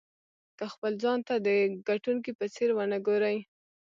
که خپل ځان ته د ګټونکي په څېر ونه ګورئ.